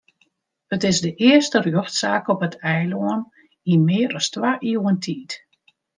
It is de earste rjochtsaak op it eilân yn mear as twa iuwen tiid.